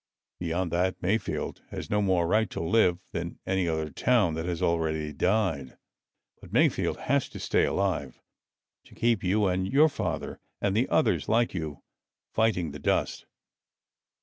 Beyond that, Mayfield has no more right to live than any other town that has already died. But Mayfield has to stay alive to keep you and your father and the others like you fighting the dust."